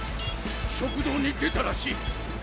食道に出たらしい。